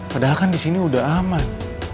padahal kan di sini udah aman